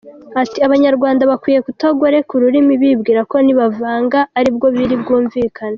Ati “Abanyarwanda bakwiye kutagoreka ururimi bibwira ko nibavanga aribwo biri bwumvikane.